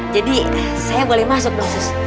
jadi saya boleh masuk dong sus